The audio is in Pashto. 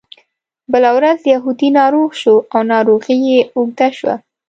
بله ورځ یهودي ناروغ شو او ناروغي یې اوږده شوه.